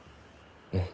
うん。